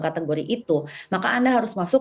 kategori itu maka anda harus masuk